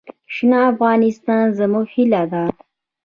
شنه افغانستان زموږ هیله ده.